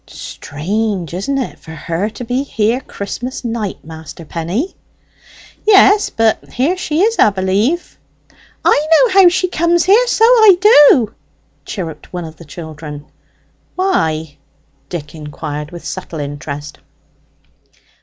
"Strange, isn't it, for her to be here Christmas night, Master Penny?" "Yes; but here she is, 'a b'lieve." "I know how she comes here so I do!" chirruped one of the children. "Why?" Dick inquired, with subtle interest.